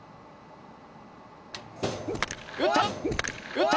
打った！